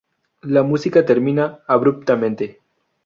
La música termina abruptamente.